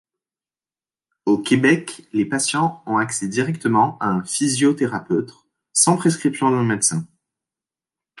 Au Québec, les patients ont accès directement à un physiothérapeute, sans prescription d'un médecin.